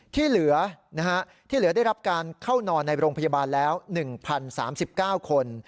ที่เหลือที่เหลือได้รับการเข้านอนในโรงพยาบาลแล้ว๑๐๓๙คน